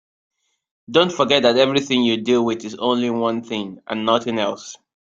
Don't forget that everything you deal with is only one thing and nothing else.